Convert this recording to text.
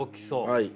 はい。